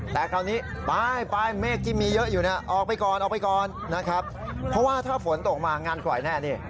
แต่คราวนี้ไปเมฆที่มีเยอะอยู่เนี่ยออกไปก่อนออกไปก่อนนะครับเพราะว่าถ้าฝนตกมางานปล่อยแน่นี่